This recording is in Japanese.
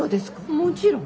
もちろん。